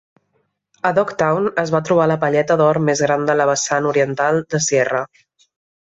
A Dog Town es va trobar la palleta d'or més gran de la vessant oriental de Sierra.